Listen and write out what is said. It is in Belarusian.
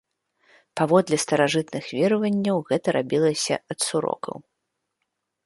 Паводле старажытных вераванняў, гэта рабілася ад сурокаў.